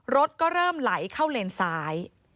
รถก็เริ่มไหลเข้าเลนซ้าย